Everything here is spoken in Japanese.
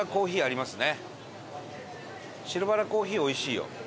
白バラコーヒーおいしいよ。